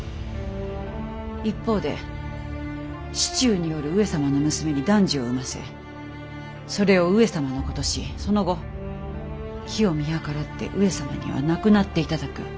一方で市中におる上様の娘に男児を産ませそれを上様のお子としその後機を見計らって上様には亡くなって頂く。